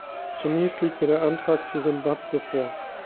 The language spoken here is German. Zunächst liegt mir der Antrag zu Simbabwe vor.